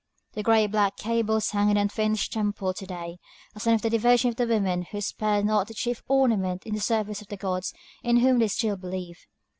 The great black cables hang in the unfinished temple to day, a sign of the devotion of the women who spared not their chief ornament in the service of the gods in whom they still believe.